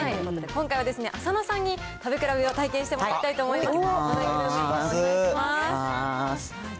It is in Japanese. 今回はですね、浅野さんに食べ比べを体験していただきたいと思います。